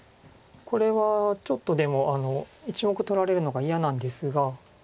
これはちょっとでも１目取られるのが嫌なんですが。